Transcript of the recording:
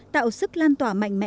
tạo sức lan tỏa mạnh